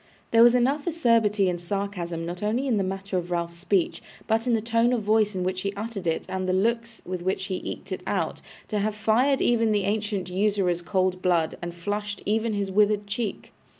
There was enough acerbity and sarcasm not only in the matter of Ralph's speech, but in the tone of voice in which he uttered it, and the looks with which he eked it out, to have fired even the ancient usurer's cold blood and flushed even his withered cheek.